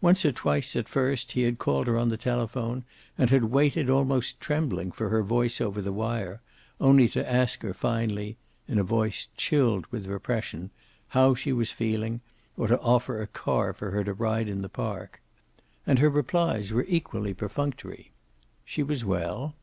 Once or twice, at first, he had called her on the telephone and had waited, almost trembling, for her voice over the wire, only to ask her finally, in a voice chilled with repression, how she was feeling, or to offer a car for her to ride in the park. And her replies were equally perfunctory. She was well.